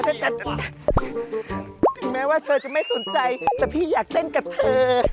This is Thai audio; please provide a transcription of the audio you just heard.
ถึงแม้ว่าเธอจะไม่สนใจแต่พี่อยากเต้นกับเธอ